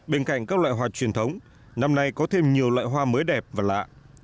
bên cạnh các loại hoa truyền thống năm nay có thêm nhiều loại hoa mới đẹp và lạ